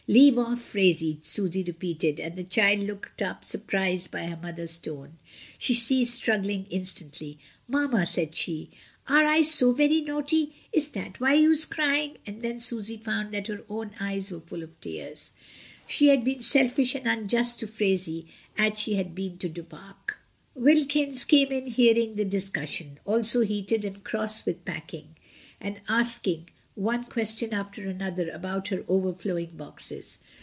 "Leave off, Phraisie," Susy repeated; and the child looked up surprised by her mother's tone. She ceased struggling instantly. "Mamma," said she, "are I so very naughty? is that why you's crying?" and then Susy found that her own eyes were full of tears — she had been SAYING "GOOD BYE." 1 37 selfish and unjust to Phraisie as she had been to Du Pare Wilkins came in hearing the discussion, also heated and cross with packing, and asking one question after another about her overflowing boxes.